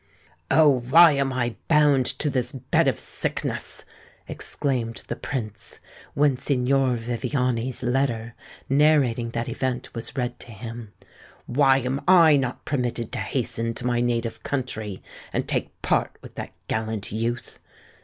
"Oh! why am I bound to this bed of sickness?" exclaimed the Prince, when Signor Viviani's letter narrating that event was read to him. "Why am I not permitted to hasten to my native country, and take part with that gallant youth!